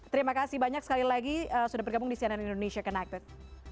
terima kasih banyak sekali lagi sudah bergabung di cnn indonesia connected